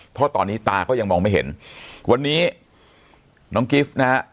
เพราะตอนนี้ตาก็ยังมองไม่เห็นวันนี้น้องกิฟต์นะฮะ